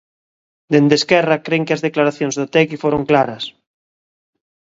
Dende Esquerra cren que as declaracións de Otegi foron claras.